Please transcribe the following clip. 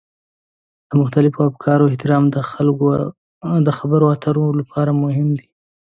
د مختلفو افکارو احترام د خبرو اترو لپاره مهم دی.